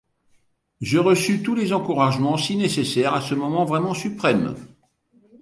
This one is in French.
Je reçus tous les encouragements si nécessaires à ce moment vraiment suprême.